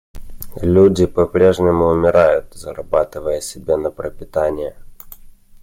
Люди по-прежнему умирают, зарабатывая себе на пропитание.